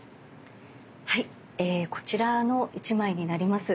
こちらの一枚になります。